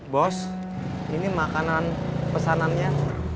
bos ini makanan pesanannya